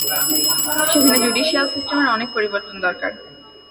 সেখানে জুডিশিয়াল সিস্টেমের অনেক পরিবর্তন দরকার।